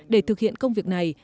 để thực hiện công việc này